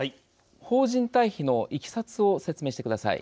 邦人退避のいきさつを説明してください。